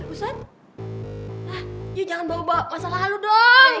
udah jangan bawa bawa masalah lo dong